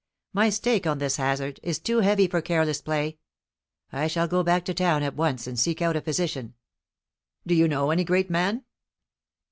"My stake on this hazard is too heavy for careless play. I shall go back to town at once and seek out a physician." "Do you know any great man?"